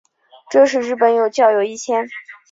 这时日本有教友一千。